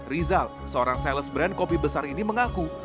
rizal seorang sales brand kopi besar ini mengaku